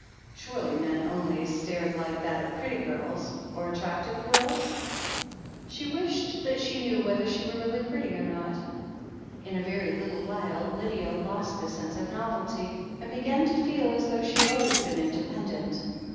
Surely men only stared like that at pretty girls or attractive girls? 126 THE HEEL OF ACHILLES She wished that she knew whether she were really pretty or not. In a very little while Lydia lost the sense of novelty, and began to feel as though she had always been independent.